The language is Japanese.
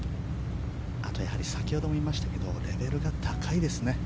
先ほども言いましたがレベルが高いですね。